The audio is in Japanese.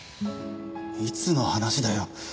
いつの話だよ。